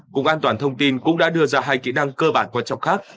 cục an toàn thông tin cũng đã đưa ra hai kỹ năng cơ bản quan trọng khác